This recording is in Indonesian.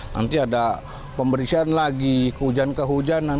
nanti ada pemberhisaan lagi kehujanan kehujanan